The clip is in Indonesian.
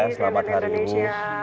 selamat hari ibu